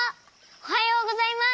おはようございます。